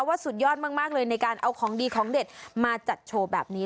สุดยอดมากเลยในการเอาของดีของเด็ดมาจัดโชว์แบบนี้